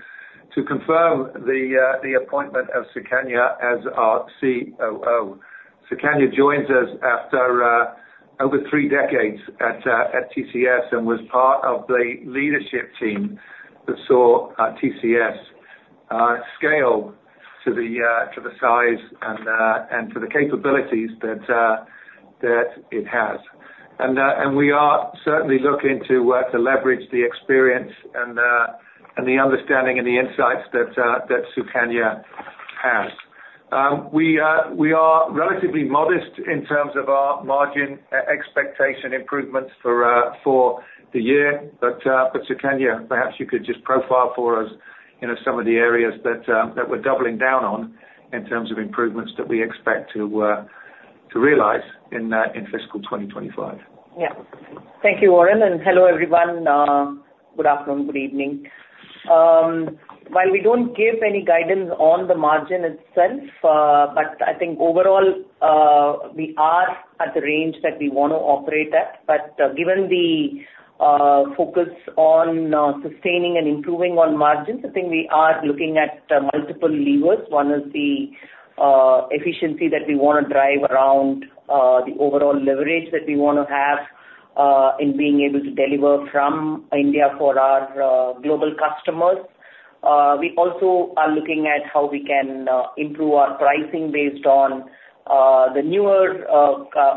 to confirm the appointment of Sukanya as our COO. Sukanya joins us after over three decades at TCS and was part of the leadership team that saw TCS scale to the size and to the capabilities that it has. And we are certainly looking to leverage the experience and the understanding and the insights that Sukanya has. We are relatively modest in terms of our margin expectation improvements for the year. But Sukanya, perhaps you could just profile for us, you know, some of the areas that we're doubling down on in terms of improvements that we expect to realize in fiscal 2025. Yeah. Thank you, Warren, and hello, everyone. Good afternoon, good evening. While we don't give any guidance on the margin itself, but I think overall, we are at the range that we want to operate at. But, given the focus on sustaining and improving on margins, I think we are looking at multiple levers. One is the efficiency that we wanna drive around the overall leverage that we wanna have in being able to deliver from India for our global customers. We also are looking at how we can improve our pricing based on the newer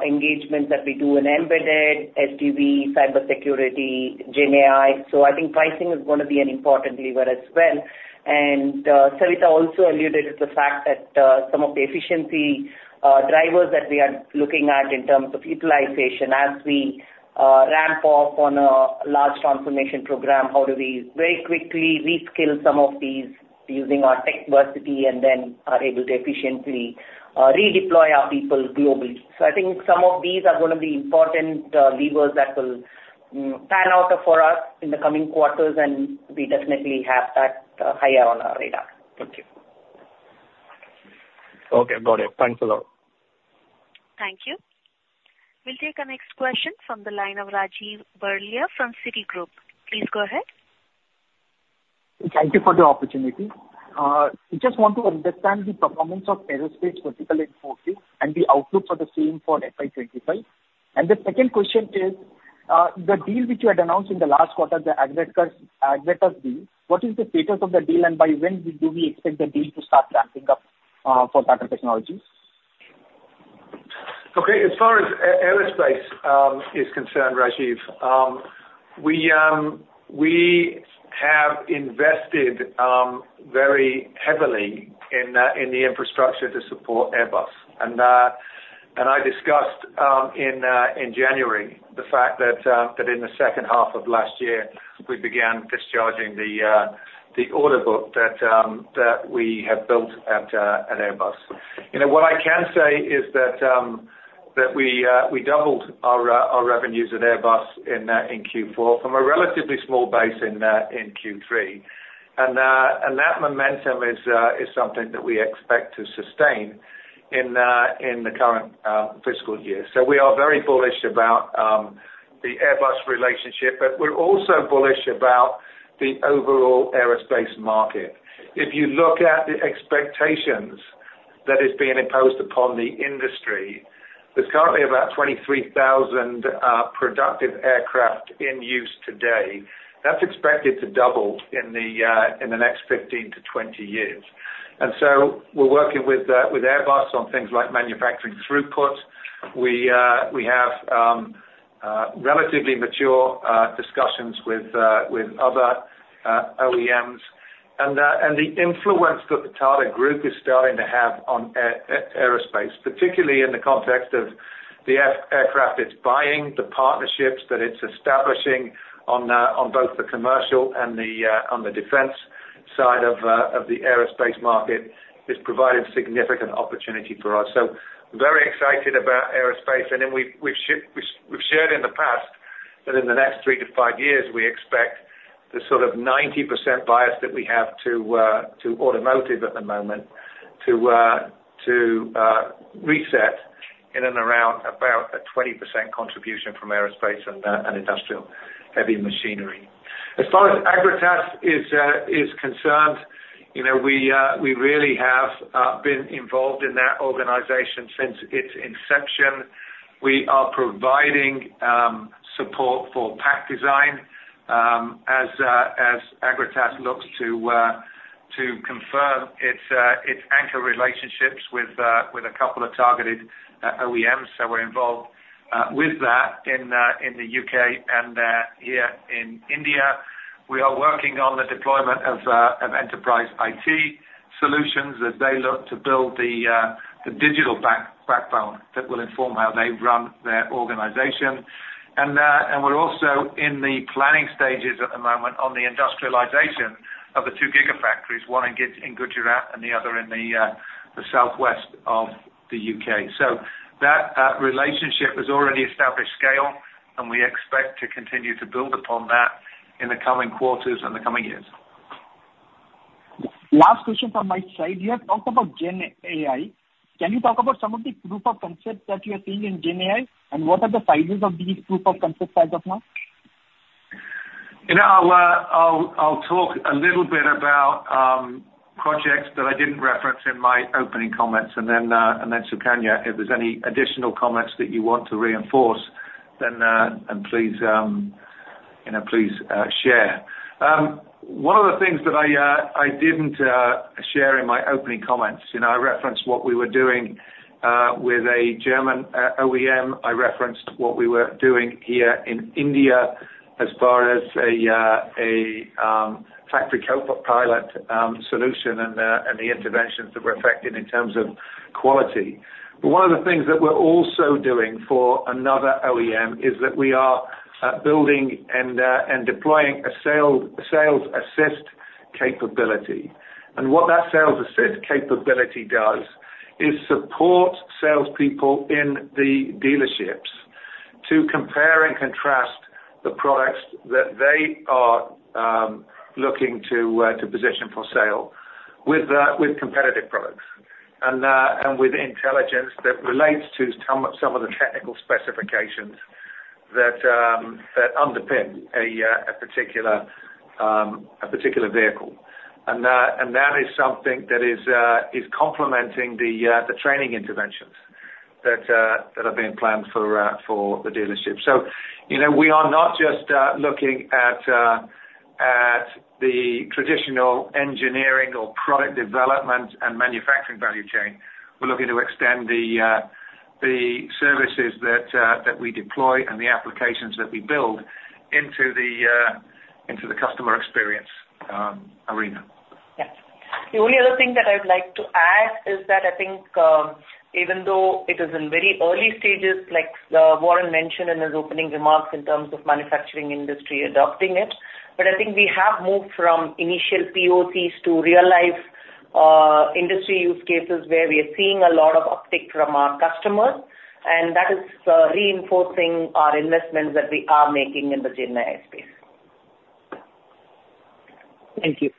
engagements that we do in embedded, SDV, cybersecurity, GenAI. So I think pricing is gonna be an important lever as well. Savita also alluded to the fact that some of the efficiency drivers that we are looking at in terms of utilization as we ramp up on a large transformation program, how do we very quickly reskill some of these using our TechVarsity, and then are able to efficiently redeploy our people globally? So I think some of these are gonna be important levers that will pan out for us in the coming quarters, and we definitely have that higher on our radar. Thank you. Okay, got it. Thanks a lot. Thank you. We'll take our next question from the line of Rajiv Berlia from Citigroup. Please go ahead. Thank you for the opportunity. We just want to understand the performance of aerospace, particularly in 4Q, and the outlook for the same for FY 25. And the second question is, the deal which you had announced in the last quarter, the Agratas, Agratas deal, what is the status of the deal, and by when do we expect the deal to start ramping up, for Tata Technologies? Okay, as far as aerospace is concerned, Rajiv, we have invested very heavily in the infrastructure to support Airbus. And I discussed in January the fact that in the second half of last year, we began discharging the order book that we had built at Airbus. You know, what I can say is that we doubled our revenues at Airbus in Q4 from a relatively small base in Q3. And that momentum is something that we expect to sustain in the current fiscal year. So we are very bullish about the Airbus relationship, but we're also bullish about the overall aerospace market. If you look at the expectations that is being imposed upon the industry, there's currently about 23,000 productive aircraft in use today. That's expected to double in the next 15 to 20 years. And so we're working with Airbus on things like manufacturing throughput. We have relatively mature discussions with other OEMs, and the influence that the Tata Group is starting to have on aerospace, particularly in the context of the aircraft it's buying, the partnerships that it's establishing on both the commercial and the defense side of the aerospace market, is providing significant opportunity for us. So very excited about aerospace, and then we've shared in the past that in the next 3 to 5 years, we expect the sort of 90% bias that we have to automotive at the moment, to reset in and around about a 20% contribution from aerospace and industrial heavy machinery. As far as Agratas is concerned, you know, we really have been involved in that organization since its inception. We are providing support for pack design, as Agratas looks to confirm its anchor relationships with a couple of targeted OEMs. So we're involved with that in the UK and here in India. We are working on the deployment of enterprise IT solutions as they look to build the digital backbone that will inform how they run their organization. And we're also in the planning stages at the moment on the industrialization of the two gigafactories, one in Gujarat and the other in the southwest of the UK. So that relationship has already established scale, and we expect to continue to build upon that in the coming quarters and the coming years. Last question from my side. You have talked about GenAI. Can you talk about some of the proof of concepts that you are seeing in GenAI, and what are the sizes of these proof of concepts as of now? You know, I'll talk a little bit about projects that I didn't reference in my opening comments, and then, Sukanya, if there's any additional comments that you want to reinforce, then, and please, you know, please, share. One of the things that I didn't share in my opening comments, you know, I referenced what we were doing with a German OEM. I referenced what we were doing here in India as far as a factory co-pilot solution, and the interventions that we're effecting in terms of quality. But one of the things that we're also doing for another OEM is that we are building and deploying a sales assist capability. What that sales assist capability does is support salespeople in the dealerships to compare and contrast the products that they are looking to position for sale with competitive products, and with intelligence that relates to some of the technical specifications that underpin a particular vehicle. And that is something that is complementing the training interventions that are being planned for the dealership. So, you know, we are not just looking at the traditional engineering or product development and manufacturing value chain. We're looking to extend the services that we deploy and the applications that we build into the customer experience arena. Yes. The only other thing that I would like to add is that I think, even though it is in very early stages, like, Warren mentioned in his opening remarks, in terms of manufacturing industry adopting it, but I think we have moved from initial POCs to real life, industry use cases, where we are seeing a lot of uptick from our customers, and that is, reinforcing our investments that we are making in the GenAI space. Thank you.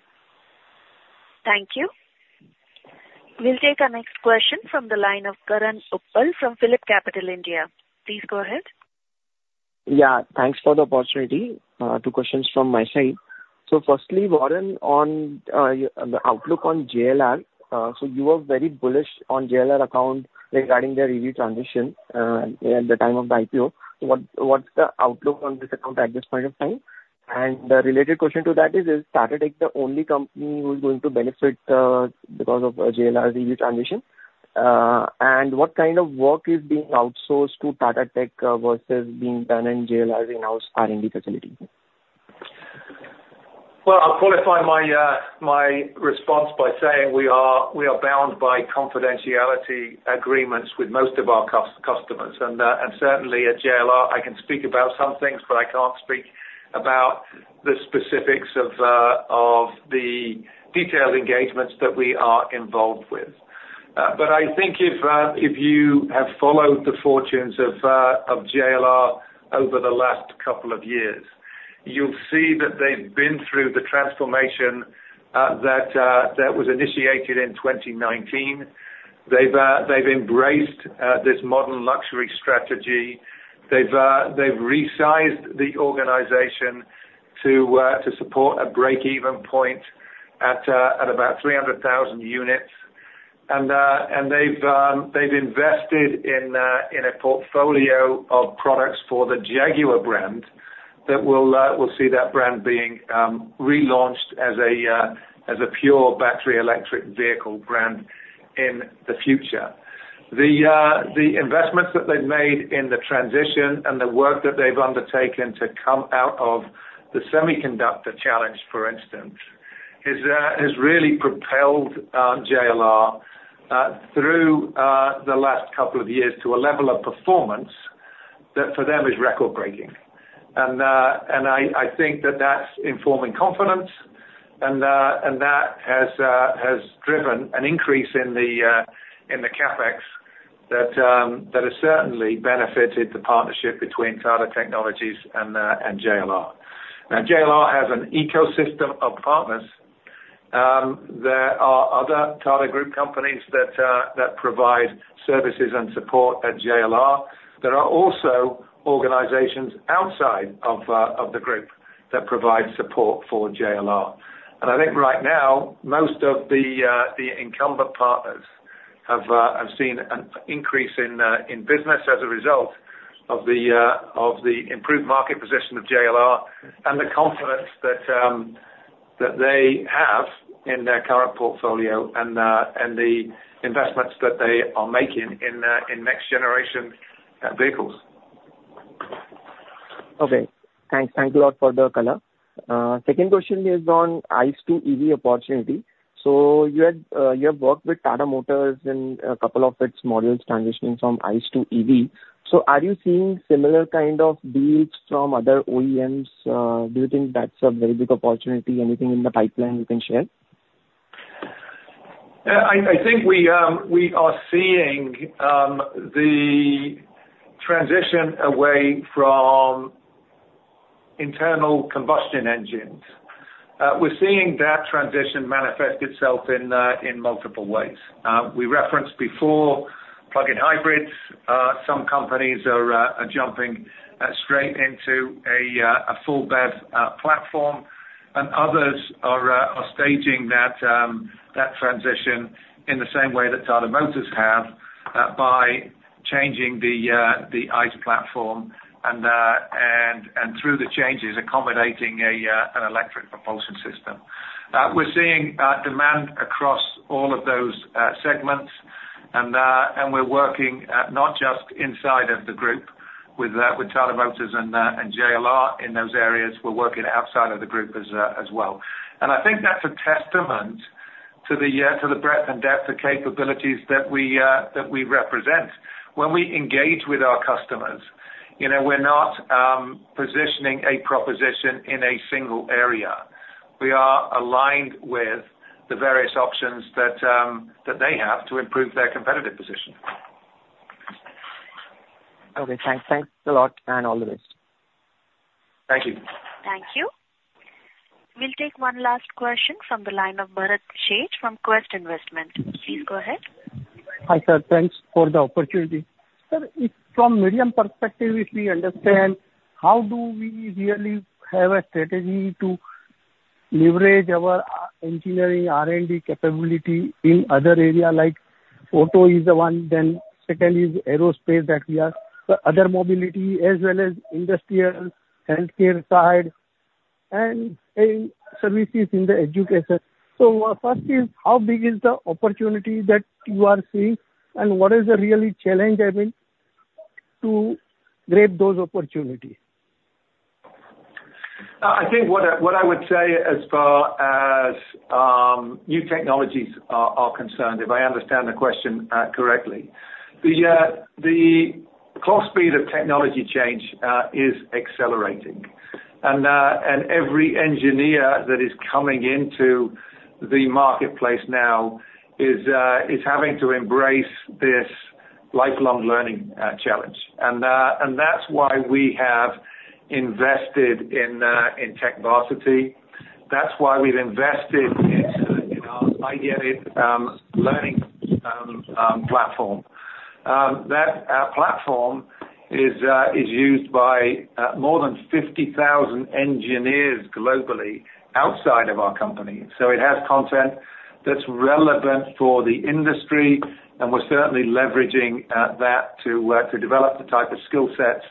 Thank you. We'll take our next question from the line of Karan Uppal from PhilipCapital. Please go ahead. Yeah, thanks for the opportunity. Two questions from my side. So firstly, Warren, on the outlook on JLR. So you were very bullish on JLR account regarding their EV transition at the time of the IPO. What, what's the outlook on this account at this point of time? And the related question to that is, is Tata Tech the only company who is going to benefit because of JLR's EV transition? And what kind of work is being outsourced to Tata Tech versus being done in JLR in-house R&D facility? Well, I'll qualify my response by saying, we are bound by confidentiality agreements with most of our customers. Certainly at JLR, I can speak about some things, but I can't speak about the specifics of the detailed engagements that we are involved with. But I think if you have followed the fortunes of JLR over the last couple of years, you'll see that they've been through the transformation that was initiated in 2019. They've embraced this modern luxury strategy. They've resized the organization to support a break-even point at about 300,000 units. And they've invested in a portfolio of products for the Jaguar brand that will see that brand being relaunched as a pure battery electric vehicle brand in the future. The investments that they've made in the transition and the work that they've undertaken to come out of the semiconductor challenge, for instance, has really propelled JLR through the last couple of years to a level of performance that for them is record-breaking. And I think that that's informing confidence, and that has driven an increase in the CapEx that has certainly benefited the partnership between Tata Technologies and JLR. Now, JLR has an ecosystem of partners. There are other Tata Group companies that provide services and support at JLR. There are also organizations outside of the group that provide support for JLR. I think right now, most of the incumbent partners have seen an increase in business as a result of the improved market position of JLR, and the confidence that they have in their current portfolio and the investments that they are making in next generation vehicles. Okay. Thanks. Thank you a lot for the color. Second question is on ICE to EV opportunity. So you had, you have worked with Tata Motors and a couple of its models transitioning from ICE to EV. So are you seeing similar kind of deals from other OEMs? Do you think that's a very big opportunity? Anything in the pipeline you can share? I think we are seeing the transition away from internal combustion engines. We're seeing that transition manifest itself in multiple ways. We referenced before plug-in hybrids. Some companies are jumping straight into a full BEV platform, and others are staging that transition in the same way that Tata Motors have by changing the ICE platform, and through the changes, accommodating an electric propulsion system. We're seeing demand across all of those segments, and we're working not just inside of the group with Tata Motors and JLR in those areas, we're working outside of the group as well. I think that's a testament to the breadth and depth of capabilities that we represent. When we engage with our customers, you know, we're not positioning a proposition in a single area. We are aligned with the various options that they have to improve their competitive position. Okay, thanks. Thanks a lot, and all the best. Thank you. Thank you. We'll take one last question from the line of Bharat Sheth from Quest Investment. Please go ahead. Hi, sir, thanks for the opportunity. Sir, if from medium perspective, if we understand, how do we really have a strategy to leverage our engineering R&D capability in other area, like auto is the one, then second is aerospace, that we are the other mobility as well as industrial healthcare side and in services in the education. So, first is, how big is the opportunity that you are seeing? And what is the really challenge, I mean, to grab those opportunities? I think what I would say as far as new technologies are concerned, if I understand the question correctly, the clock speed of technology change is accelerating. And every engineer that is coming into the marketplace now is having to embrace this lifelong learning challenge. And that's why we have invested in TechVarsity. That's why we've invested in our iGET IT learning platform. That platform is used by more than 50,000 engineers globally outside of our company, so it has content that's relevant for the industry, and we're certainly leveraging that to develop the type of skill sets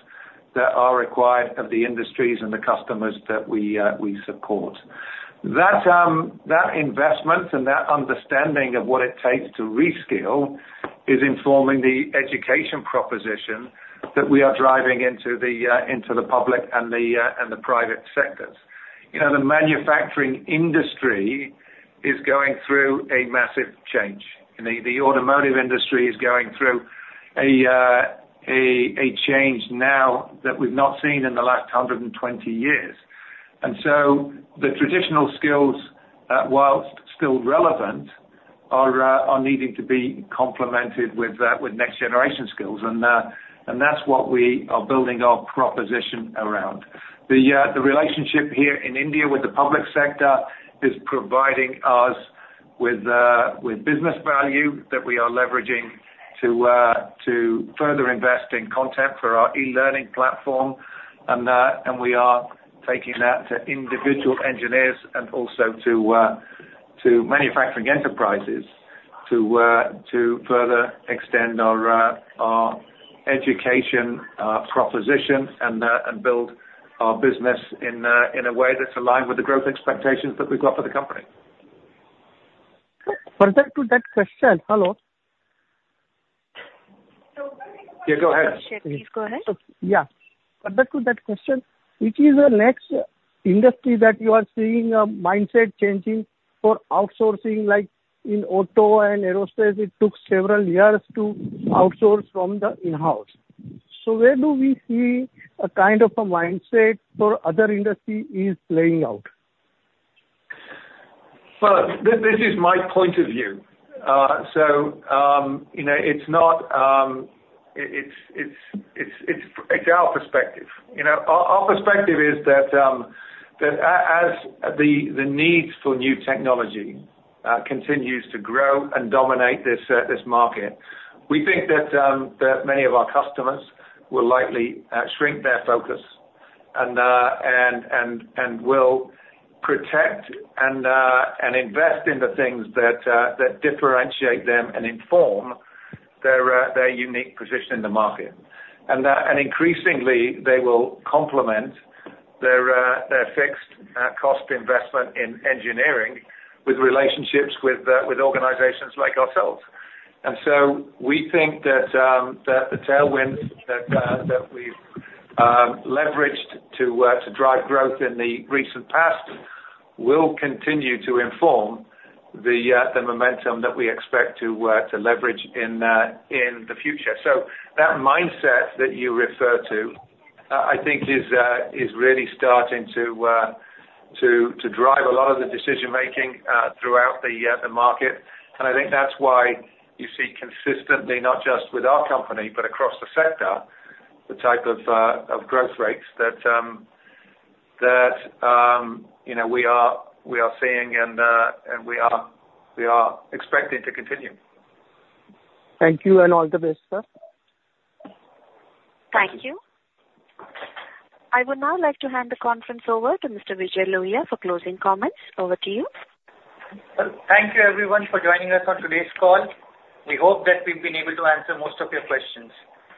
that are required of the industries and the customers that we support. That investment and that understanding of what it takes to reskill is informing the education proposition that we are driving into the public and the private sectors. You know, the manufacturing industry is going through a massive change, and the automotive industry is going through a change now that we've not seen in the last 120 years. And so the traditional skills, whilst still relevant, are needing to be complemented with next generation skills, and that's what we are building our proposition around. The relationship here in India with the public sector is providing us with business value that we are leveraging to further invest in content for our e-learning platform, and we are taking that to individual engineers and also to manufacturing enterprises, to further extend our education proposition, and build our business in a way that's aligned with the growth expectations that we've got for the company. Further to that question, hello? Yeah, go ahead. Please go ahead. Yeah. Further to that question, which is the next industry that you are seeing a mindset changing for outsourcing, like in auto and aerospace, it took several years to outsource from the in-house. So where do we see a kind of a mindset for other industry is playing out? Well, this is my point of view. So, you know, it's not... It's our perspective. You know, our perspective is that as the needs for new technology continues to grow and dominate this market, we think that many of our customers will likely shrink their focus and will protect and invest in the things that differentiate them and inform their unique position in the market. And increasingly, they will complement their fixed cost investment in engineering with relationships with organizations like ourselves. And so we think that the tailwind that we've leveraged to drive growth in the recent past will continue to inform the momentum that we expect to leverage in the future. So that mindset that you refer to, I think is really starting to drive a lot of the decision-making throughout the market. And I think that's why you see consistently, not just with our company, but across the sector, the type of growth rates that you know we are seeing and we are expecting to continue. Thank you and all the best, sir. Thank you. I would now like to hand the conference over to Mr. Vijay Lohia for closing comments. Over to you. Well, thank you everyone for joining us on today's call. We hope that we've been able to answer most of your questions.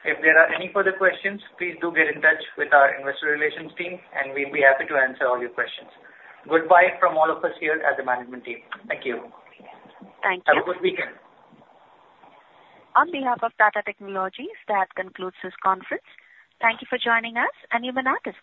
If there are any further questions, please do get in touch with our investor relations team, and we'll be happy to answer all your questions. Goodbye from all of us here at the management team. Thank you. Thank you. Have a good weekend. On behalf of Tata Technologies, that concludes this conference. Thank you for joining us, and you may now disconnect.